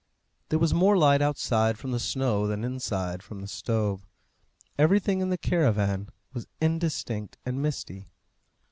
There was more light outside from the snow than inside from the stove. Everything in the caravan was indistinct and misty.